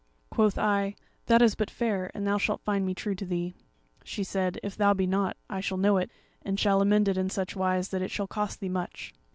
"Quoth I, 'That is but fair, and thou shalt find me true to thee.' She said, 'If thou be not, I shall know it, and shall amend it in such wise that it shall cost thee much.'